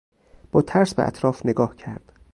با ترس به اطراف نگاه کرد.